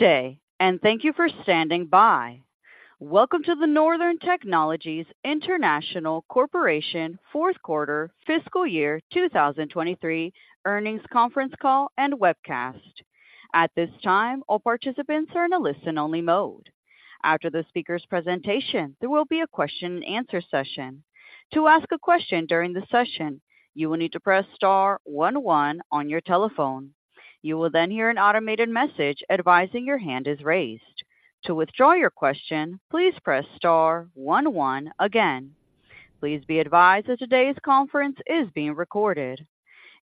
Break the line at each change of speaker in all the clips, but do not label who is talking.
Good day, and thank you for standing by. Welcome to the Northern Technologies International Corporation fourth quarter fiscal year 2023 Earnings Conference Call and webcast. At this time, all participants are in a listen-only mode. After the speaker's presentation, there will be a question and answer session. To ask a question during the session, you will need to press star one one on your telephone. You will then hear an automated message advising your hand is raised. To withdraw your question, please press star one one again. Please be advised that today's conference is being recorded.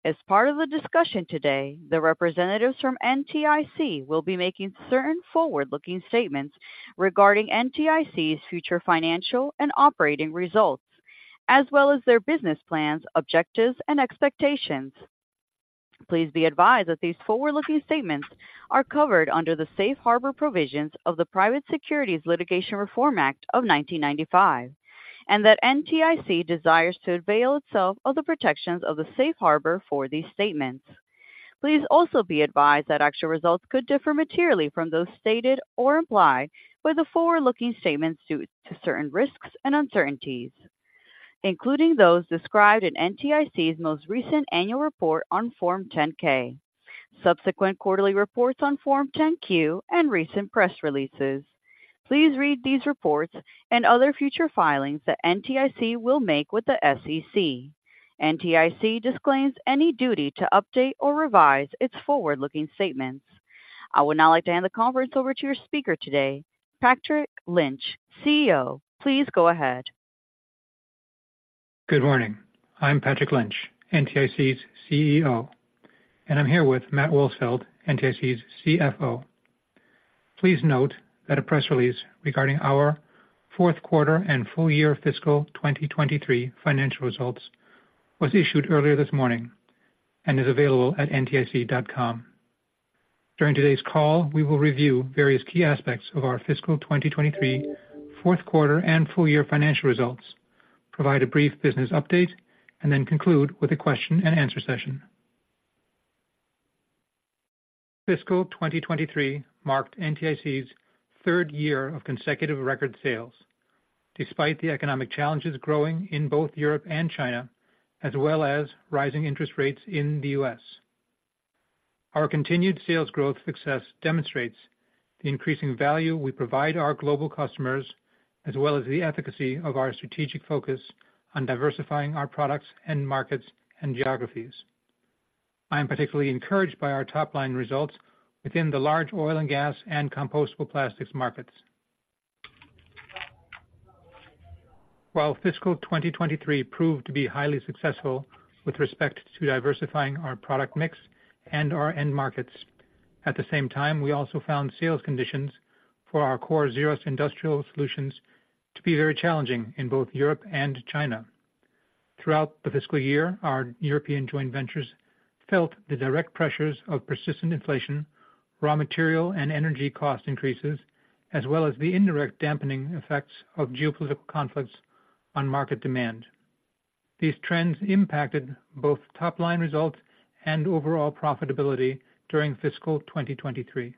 As part of the discussion today, the representatives from NTIC will be making certain forward-looking statements regarding NTIC's future financial and operating results, as well as their business plans, objectives, and expectations. Please be advised that these forward-looking statements are covered under the safe harbor provisions of the Private Securities Litigation Reform Act of 1995, and that NTIC desires to avail itself of the protections of the safe harbor for these statements. Please also be advised that actual results could differ materially from those stated or implied by the forward-looking statements due to certain risks and uncertainties, including those described in NTIC's most recent annual report on Form 10-K, subsequent quarterly reports on Form 10-Q, and recent press releases. Please read these reports and other future filings that NTIC will make with the SEC. NTIC disclaims any duty to update or revise its forward-looking statements. I would now like to hand the conference over to your speaker today, Patrick Lynch, CEO. Please go ahead.
Good morning. I'm Patrick Lynch, NTIC's CEO, and I'm here with Matt Wolsfeld, NTIC's CFO. Please note that a press release regarding our fourth quarter and full year fiscal 2023 financial results was issued earlier this morning and is available at ntic.com. During today's call, we will review various key aspects of our fiscal 2023, fourth quarter and full year financial results, provide a brief business update, and then conclude with a question and answer session. fiscal 2023 marked NTIC's third year of consecutive record sales, despite the economic challenges growing in both Europe and China, as well as rising interest rates in the U.S. Our continued sales growth success demonstrates the increasing value we provide our global customers, as well as the efficacy of our strategic focus on diversifying our products and markets and geographies. I am particularly encouraged by our top-line results within the large oil and gas and compostable plastics markets. While fiscal 2023 proved to be highly successful with respect to diversifying our product mix and our end markets, at the same time, we also found sales conditions for our core Zerust Industrial solutions to be very challenging in both Europe and China. Throughout the fiscal year, our European joint ventures felt the direct pressures of persistent inflation, raw material and energy cost increases, as well as the indirect dampening effects of geopolitical conflicts on market demand. These trends impacted both top-line results and overall profitability during fiscal 2023.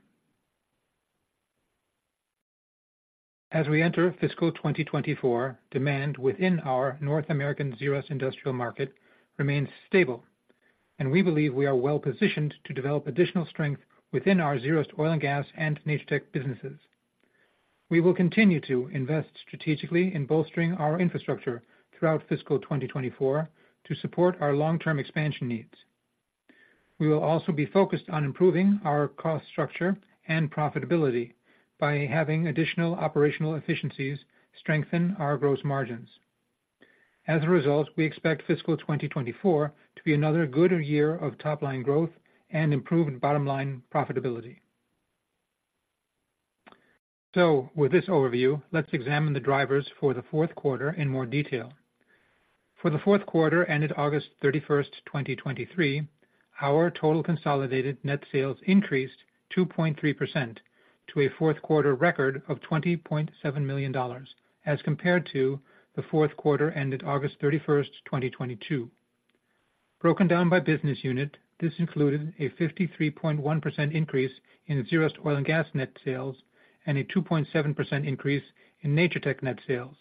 As we enter fiscal 2024, demand within our North American Zerust Industrial market remains stable, and we believe we are well-positioned to develop additional strength within our Zerust Oil and Gas and Natur-Tec businesses. We will continue to invest strategically in bolstering our infrastructure throughout fiscal 2024 to support our long-term expansion needs. We will also be focused on improving our cost structure and profitability by having additional operational efficiencies strengthen our gross margins. As a result, we expect fiscal 2024 to be another good year of top-line growth and improved bottom-line profitability. So with this overview, let's examine the drivers for the fourth quarter in more detail. For the fourth quarter, ended August 31, 2023, our total consolidated net sales increased 2.3% to a fourth quarter record of $20.7 million, as compared to the fourth quarter ended August 31, 2022. Broken down by business unit, this included a 53.1% increase in Zerust Oil and Gas net sales and a 2.7% increase in Natur-Tec net sales.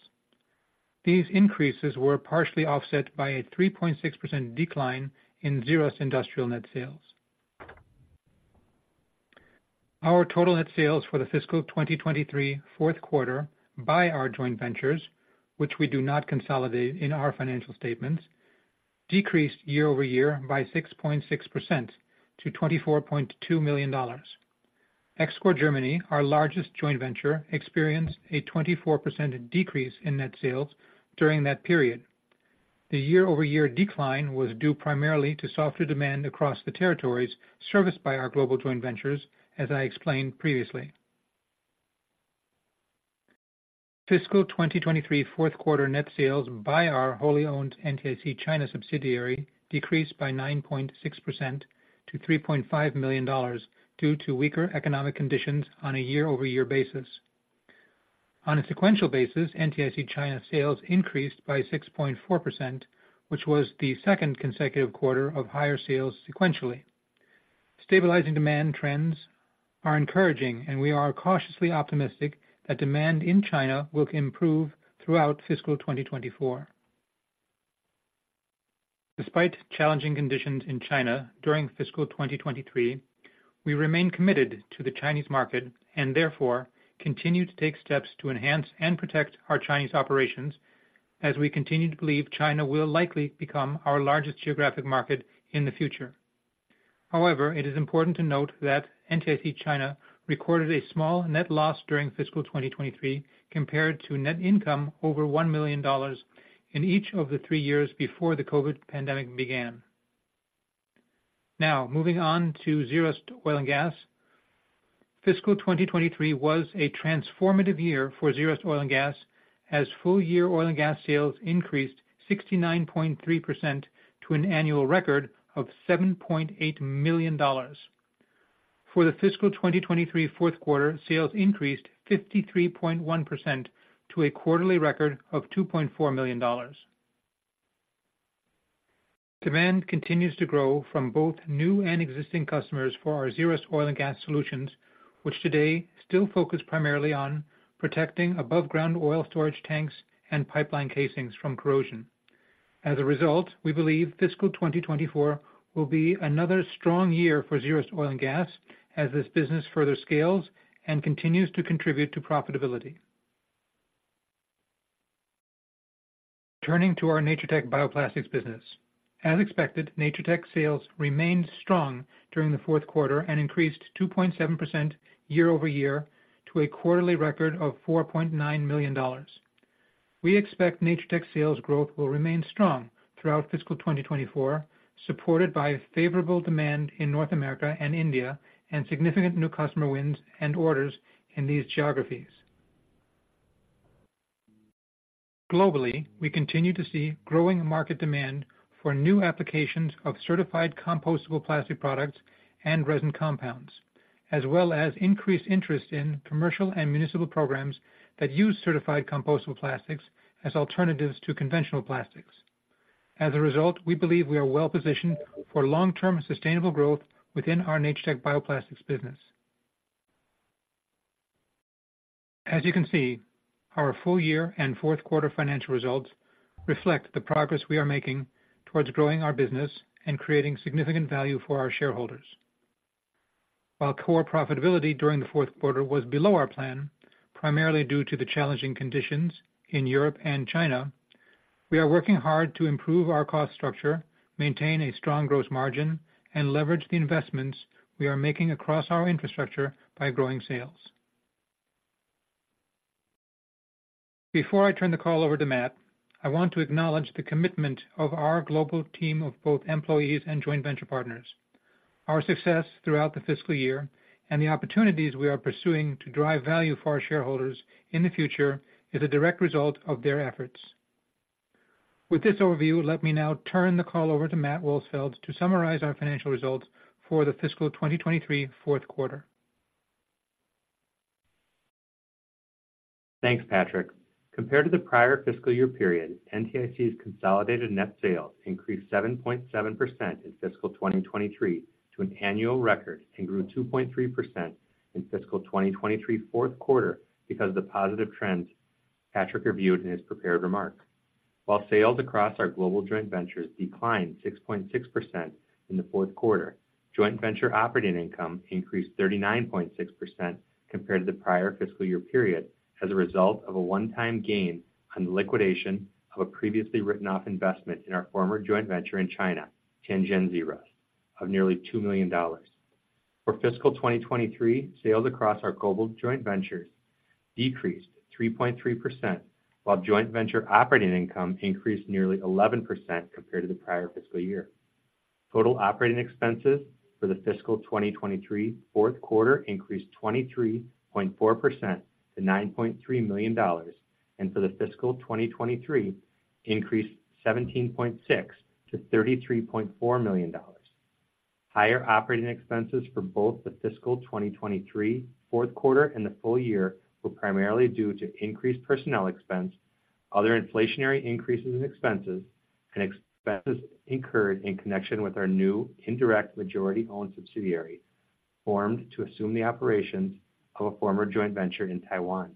These increases were partially offset by a 3.6% decline in Zerust Industrial net sales. Our total net sales for the fiscal 2023 fourth quarter by our joint ventures, which we do not consolidate in our financial statements, decreased year-over-year by 6.6% to $24.2 million. EXCOR Germany, our largest joint venture, experienced a 24% decrease in net sales during that period. The year-over-year decline was due primarily to softer demand across the territories serviced by our global joint ventures, as I explained previously. fiscal 2023 fourth quarter net sales by our wholly-owned NTIC China subsidiary decreased by 9.6% to $3.5 million due to weaker economic conditions on a year-over-year basis. On a sequential basis, NTIC China sales increased by 6.4%, which was the second consecutive quarter of higher sales sequentially. Stabilizing demand trends are encouraging, and we are cautiously optimistic that demand in China will improve throughout fiscal 2024. Despite challenging conditions in China during fiscal 2023, we remain committed to the Chinese market and therefore continue to take steps to enhance and protect our Chinese operations as we continue to believe China will likely become our largest geographic market in the future. However, it is important to note that NTIC China recorded a small net loss during fiscal 2023 compared to net income over $1 million in each of the 3 years before the COVID pandemic began. Now, moving on to Zerust Oil and Gas. fiscal 2023 was a transformative year for Zerust Oil and Gas, as full year oil and gas sales increased 69.3% to an annual record of $7.8 million. For the fiscal 2023 fourth quarter, sales increased 53.1% to a quarterly record of $2.4 million. Demand continues to grow from both new and existing customers for our Zerust Oil and Gas solutions, which today still focus primarily on protecting aboveground oil storage tanks and pipeline casings from corrosion. As a result, we believe fiscal 2024 will be another strong year for Zerust Oil and Gas as this business further scales and continues to contribute to profitability. Turning to our Natur-Tec Bioplastics business. As expected, Natur-Tec sales remained strong during the fourth quarter and increased 2.7% year-over-year to a quarterly record of $4.9 million. We expect Natur-Tec sales growth will remain strong throughout fiscal 2024, supported by favorable demand in North America and India, and significant new customer wins and orders in these geographies. Globally, we continue to see growing market demand for new applications of certified compostable plastic products and resin compounds, as well as increased interest in commercial and municipal programs that use certified compostable plastics as alternatives to conventional plastics. As a result, we believe we are well-positioned for long-term sustainable growth within our Natur-Tec Bioplastics business. As you can see, our full year and fourth quarter financial results reflect the progress we are making towards growing our business and creating significant value for our shareholders. While core profitability during the fourth quarter was below our plan, primarily due to the challenging conditions in Europe and China, we are working hard to improve our cost structure, maintain a strong gross margin, and leverage the investments we are making across our infrastructure by growing sales. Before I turn the call over to Matt, I want to acknowledge the commitment of our global team of both employees and joint venture partners. Our success throughout the fiscal year and the opportunities we are pursuing to drive value for our shareholders in the future is a direct result of their efforts. With this overview, let me now turn the call over to Matt Wolsfeld to summarize our financial results for the fiscal 2023 fourth quarter.
Thanks, Patrick. Compared to the prior fiscal year period, NTIC's consolidated net sales increased 7.7% in fiscal 2023 to an annual record, and grew 2.3% in fiscal 2023 fourth quarter because of the positive trends Patrick reviewed in his prepared remarks. While sales across our global joint ventures declined 6.6% in the fourth quarter, joint venture operating income increased 39.6% compared to the prior fiscal year period, as a result of a one-time gain on the liquidation of a previously written-off investment in our former joint venture in China, Tianjin Zerust, of nearly $2 million. For fiscal 2023, sales across our global joint ventures decreased 3.3%, while joint venture operating income increased nearly 11% compared to the prior fiscal year. Total operating expenses for the fiscal 2023 fourth quarter increased 23.4% to $9.3 million, and for fiscal 2023, increased 17.6 to $33.4 million. Higher operating expenses for both the fiscal 2023 fourth quarter and the full year were primarily due to increased personnel expense, other inflationary increases in expenses, and expenses incurred in connection with our new indirect majority-owned subsidiary, formed to assume the operations of a former joint venture in Taiwan.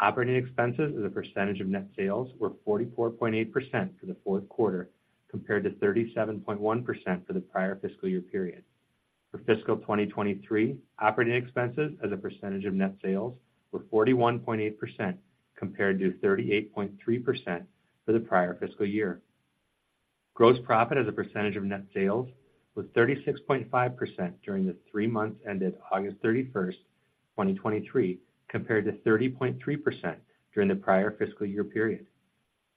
Operating expenses as a percentage of net sales were 44.8% for the fourth quarter, compared to 37.1% for the prior fiscal year period. For fiscal 2023, operating expenses as a percentage of net sales were 41.8%, compared to 38.3% for the prior fiscal year. Gross profit as a percentage of net sales was 36.5% during the three months ended August 31st, 2023, compared to 30.3% during the prior fiscal year period.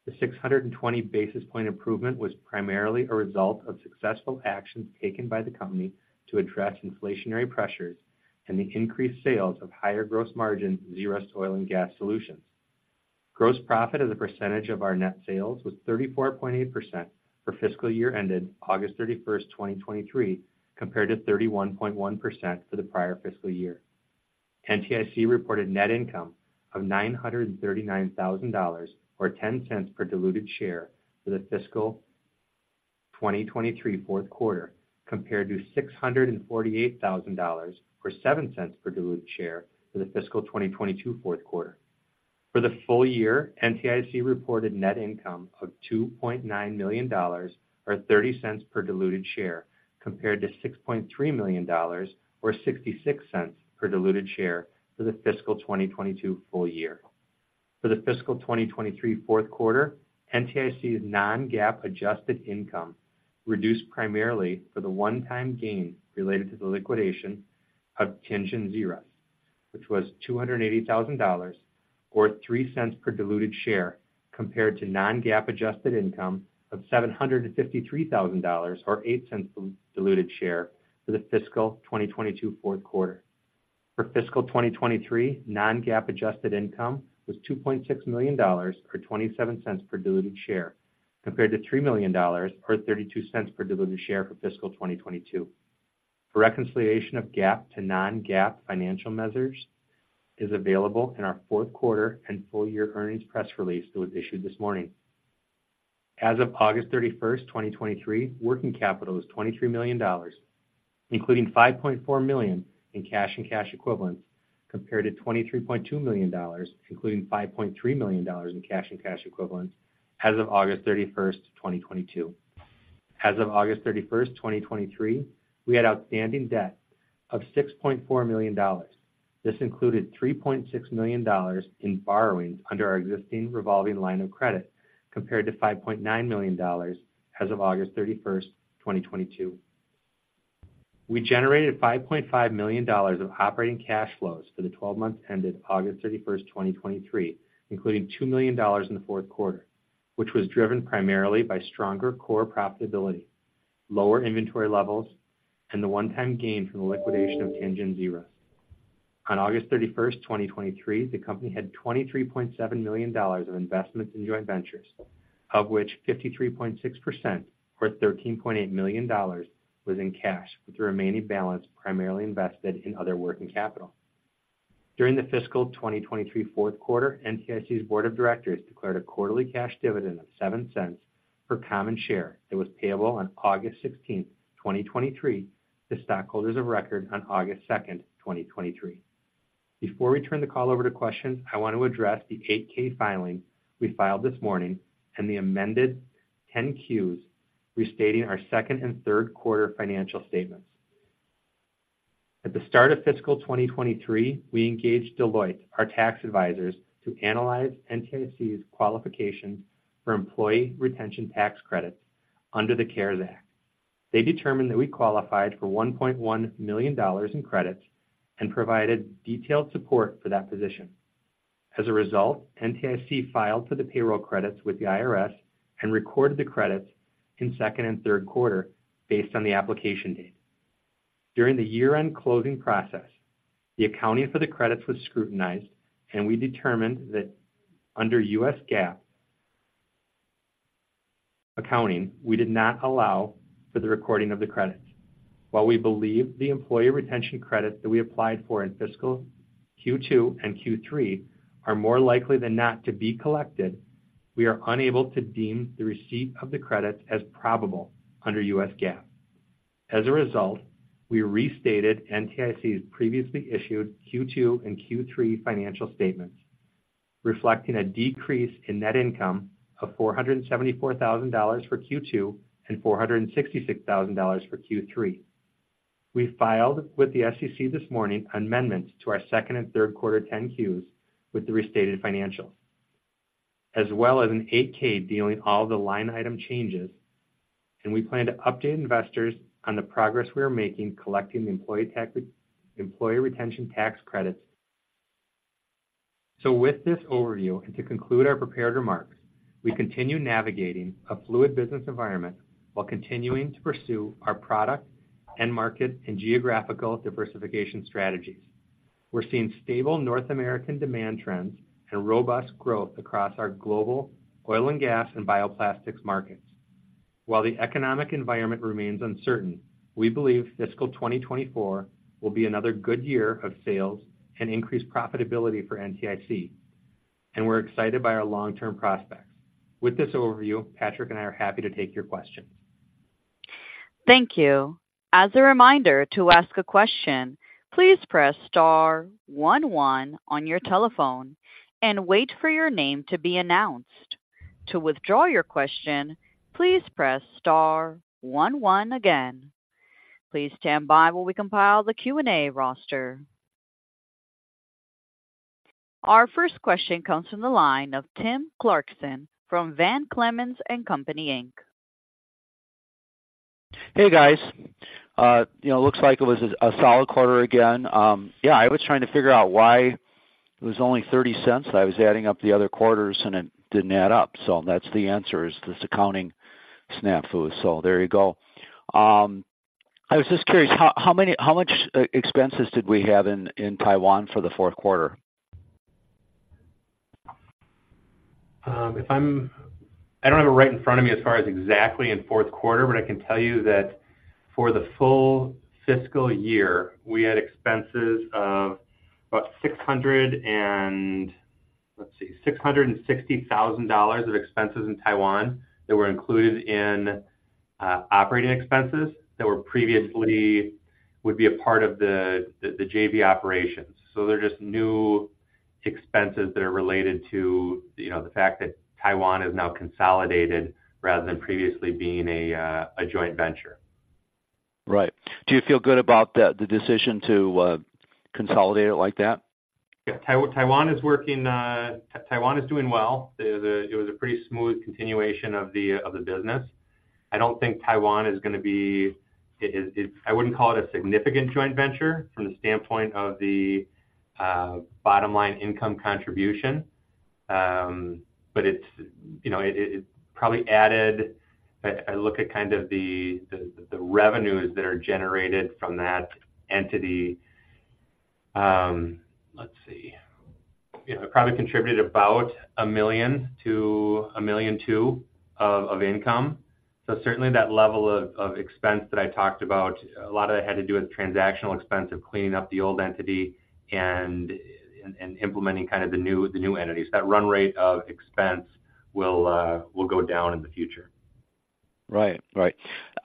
The 620 basis point improvement was primarily a result of successful actions taken by the company to address inflationary pressures and the increased sales of higher gross margin Zerust Oil and Gas solutions.... Gross profit as a percentage of our net sales was 34.8% for fiscal year ended August 31st, 2023, compared to 31.1% for the prior fiscal year. NTIC reported net income of $939,000, or $0.10 per diluted share, for the fiscal 2023 fourth quarter, compared to $648,000, or $0.07 per diluted share, for the fiscal 2022 fourth quarter. For the full year, NTIC reported net income of $2.9 million, or $0.30 per diluted share, compared to $6.3 million, or $0.66 per diluted share for the fiscal 2022 full year. For the fiscal 2023 fourth quarter, NTIC's non-GAAP adjusted income reduced primarily for the one-time gain related to the liquidation of Tianjin Zerust, which was $280,000, or $0.03 per diluted share, compared to non-GAAP adjusted income of $753,000, or $0.08 per diluted share, for the fiscal 2022 fourth quarter. For fiscal 2023, non-GAAP adjusted income was $2.6 million, or $0.27 per diluted share, compared to $3 million, or $0.32 per diluted share for fiscal 2022. For reconciliation of GAAP to non-GAAP financial measures is available in our fourth quarter and full year earnings press release that was issued this morning. As of August 31, 2023, working capital was $23 million, including $5.4 million in cash and cash equivalents, compared to $23.2 million, including $5.3 million in cash and cash equivalents as of August 31, 2022. As of August 31, 2023, we had outstanding debt of $6.4 million. This included $3.6 million in borrowings under our existing revolving line of credit, compared to $5.9 million as of August 31, 2022. We generated $5.5 million of operating cash flows for the twelve months ended August 31, 2023, including $2 million in the fourth quarter, which was driven primarily by stronger core profitability, lower inventory levels, and the one-time gain from the liquidation of Tianjin Zerust. On August 31, 2023, the company had $23.7 million of investments in joint ventures, of which 53.6%, or $13.8 million, was in cash, with the remaining balance primarily invested in other working capital. During the fiscal 2023 fourth quarter, NTIC's board of directors declared a quarterly cash dividend of $0.07 per common share that was payable on August 16, 2023, to stockholders of record on August 2, 2023. Before we turn the call over to questions, I want to address the 8-K filing we filed this morning and the amended 10-Qs, restating our second and third quarter financial statements. At the start of fiscal 2023, we engaged Deloitte, our tax advisors, to analyze NTIC's qualification for employee retention tax credits under the CARES Act. They determined that we qualified for $1.1 million in credits and provided detailed support for that position. As a result, NTIC filed for the payroll credits with the IRS and recorded the credits in second and third quarter based on the application date. During the year-end closing process, the accounting for the credits was scrutinized, and we determined that under U.S. GAAP accounting, we did not allow for the recording of the credits. While we believe the employee retention credits that we applied for in fiscal Q2 and Q3 are more likely than not to be collected, we are unable to deem the receipt of the credits as probable under U.S. GAAP. As a result, we restated NTIC's previously issued Q2 and Q3 financial statements, reflecting a decrease in net income of $474,000 for Q2 and $466,000 for Q3. We filed with the SEC this morning amendments to our second- and third-quarter 10-Qs with the restated financials, as well as an 8-K detailing all the line item changes, and we plan to update investors on the progress we are making collecting the employee retention tax credits. So with this overview and to conclude our prepared remarks, we continue navigating a fluid business environment while continuing to pursue our product and market and geographical diversification strategies. We're seeing stable North American demand trends and robust growth across our global oil and gas and bioplastics markets. While the economic environment remains uncertain, we believe fiscal 2024 will be another good year of sales and increased profitability for NTIC, and we're excited by our long-term prospects. With this overview, Patrick and I are happy to take your questions.
Thank you. As a reminder to ask a question, please press star one one on your telephone and wait for your name to be announced. To withdraw your question, please press star one one again. Please stand by while we compile the Q&A roster. Our first question comes from the line of Tim Clarkson from Van Clemens & Co., Inc.
Hey, guys. You know, it looks like it was a solid quarter again. Yeah, I was trying to figure out why it was only $0.30. I was adding up the other quarters, and it didn't add up. So that's the answer, is this accounting snafu. So there you go. I was just curious, how much expenses did we have in Taiwan for the fourth quarter?
If I don't have it right in front of me as far as exactly in fourth quarter, but I can tell you that for the full fiscal year, we had expenses of about $660,000 of expenses in Taiwan that were included in operating expenses that were previously would be a part of the JV operations. So they're just new expenses that are related to, you know, the fact that Taiwan is now consolidated rather than previously being a joint venture.
Right. Do you feel good about the decision to consolidate it like that?
Yeah. Taiwan, Taiwan is working. Taiwan is doing well. It was a pretty smooth continuation of the business. I don't think Taiwan is gonna be. I wouldn't call it a significant joint venture from the standpoint of the bottom line income contribution. But it's, you know, it probably added. I look at kind of the revenues that are generated from that entity. Let's see. Yeah, it probably contributed about $1 million-$1.2 million of income. So certainly that level of expense that I talked about, a lot of it had to do with transactional expense of cleaning up the old entity and implementing kind of the new entities. That run rate of expense will go down in the future.
Right. Right.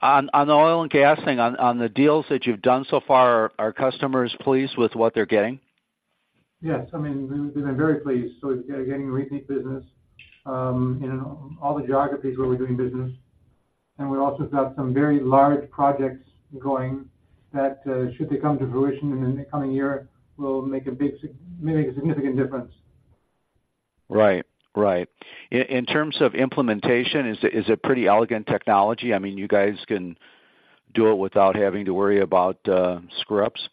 On the oil and gas thing, on the deals that you've done so far, are customers pleased with what they're getting?
Yes, I mean, we've been very pleased. So we're getting repeat business in all the geographies where we're doing business. And we've also got some very large projects going that, should they come to fruition in the coming year, will make a significant difference.
Right. Right. In terms of implementation, is it pretty elegant technology? I mean, you guys can do it without having to worry about screw-ups.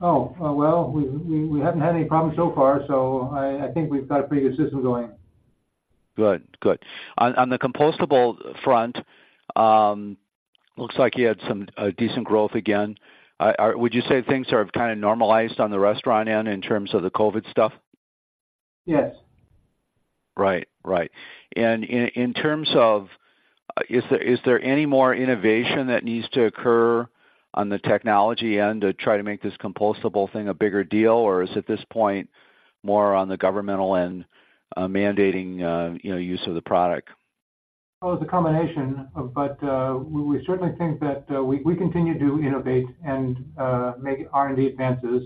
Oh, well, we haven't had any problems so far, so I think we've got a pretty good system going.
Good. Good. On the compostable front, looks like you had some decent growth again. Would you say things are kind of normalized on the restaurant end in terms of the COVID stuff?
Yes.
Right. Right. And in terms of, is there any more innovation that needs to occur on the technology end to try to make this compostable thing a bigger deal? Or is it at this point, more on the governmental end, mandating, you know, use of the product?
Well, it's a combination, but we certainly think that we continue to innovate and make R&D advances.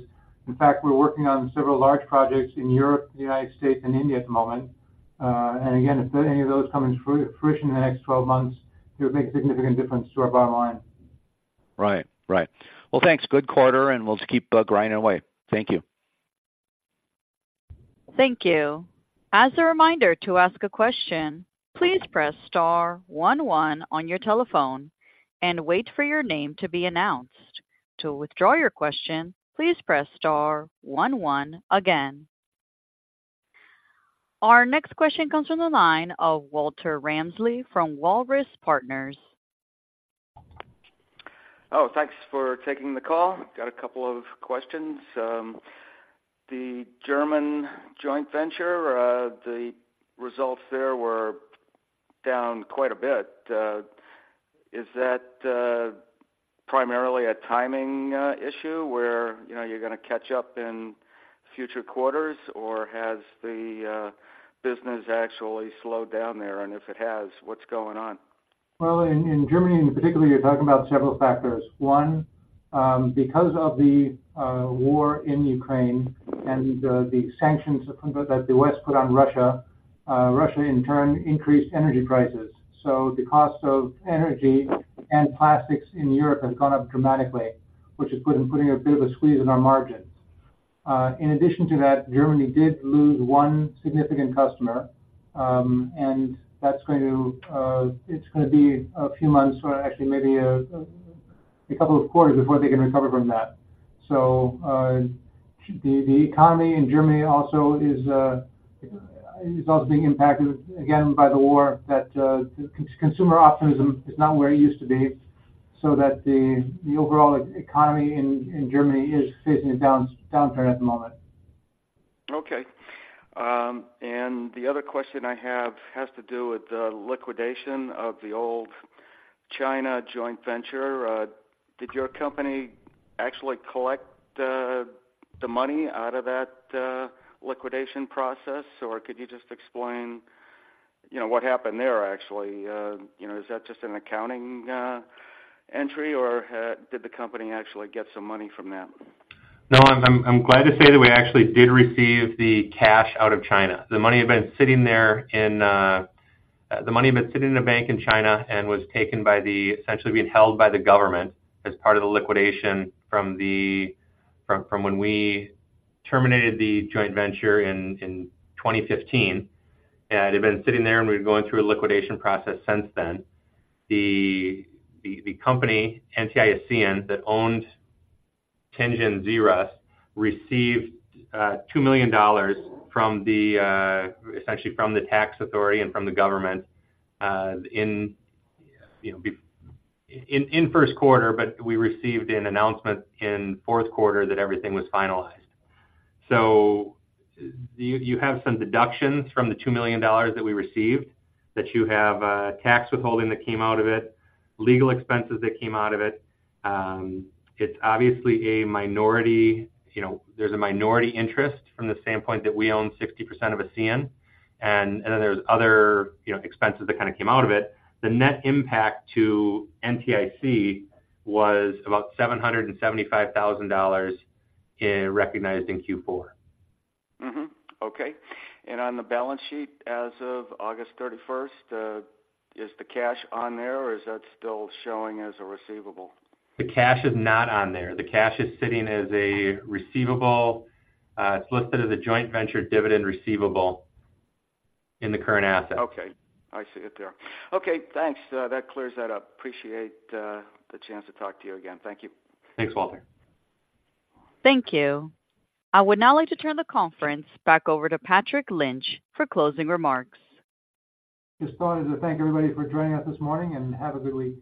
In fact, we're working on several large projects in Europe, United States, and India at the moment. And again, if any of those come into fruition in the next 12 months, it would make a significant difference to our bottom line.
Right. Right. Well, thanks. Good quarter, and we'll just keep grinding away. Thank you.
Thank you. As a reminder, to ask a question, please press star one one on your telephone and wait for your name to be announced. To withdraw your question, please press star one one again. Our next question comes from the line of Walter Ramsley from Walrus Partners.
Oh, thanks for taking the call. Got a couple of questions. The German joint venture, the results there were down quite a bit. Is that primarily a timing issue where, you know, you're gonna catch up in future quarters? Or has the business actually slowed down there? And if it has, what's going on?
Well, in Germany, in particular, you're talking about several factors. One, because of the war in Ukraine and the sanctions that the U.S. put on Russia, Russia, in turn, increased energy prices. So the cost of energy and plastics in Europe has gone up dramatically, which is putting a bit of a squeeze on our margins. In addition to that, Germany did lose one significant customer, and that's going to, it's gonna be a few months, or actually maybe a couple of quarters before they can recover from that. So, the economy in Germany also is being impacted, again, by the war, consumer optimism is not where it used to be, so that the overall economy in Germany is facing a downturn at the moment.
Okay. And the other question I have has to do with the liquidation of the old China joint venture. Did your company actually collect the money out of that liquidation process? Or could you just explain, you know, what happened there, actually? You know, is that just an accounting entry, or did the company actually get some money from that?
No, I'm glad to say that we actually did receive the cash out of China. The money had been sitting there in a bank in China and was taken by the, essentially being held by the government as part of the liquidation from when we terminated the joint venture in 2015. And it had been sitting there, and we've been going through a liquidation process since then. The company, NTI Asean, that owned Tianjin Zerust, received $2 million essentially from the tax authority and from the government in first quarter, but we received an announcement in fourth quarter that everything was finalized. So you, you have some deductions from the $2 million that we received, that you have tax withholding that came out of it, legal expenses that came out of it. It's obviously a minority, you know, there's a minority interest from the standpoint that we own 60% of Asean, and, and then there's other, you know, expenses that kinda came out of it. The net impact to NTIC was about $775,000 in-- recognized in Q4.
Okay. And on the balance sheet as of August 31st, is the cash on there, or is that still showing as a receivable?
The cash is not on there. The cash is sitting as a receivable. It's listed as a joint venture dividend receivable in the current asset.
Okay, I see it there. Okay, thanks. That clears that up. Appreciate the chance to talk to you again. Thank you.
Thanks, Walter.
Thank you. I would now like to turn the conference back over to Patrick Lynch for closing remarks.
Just wanted to thank everybody for joining us this morning, and have a good week.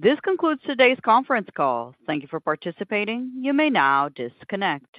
This concludes today's conference call. Thank you for participating. You may now disconnect.